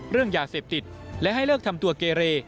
เรื่องยาเสพติดและให้เลิกทำตัวเกเร